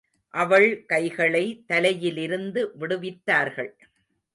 அவள் கைகளை தலையிலிருந்து விடுவித்தார்கள்.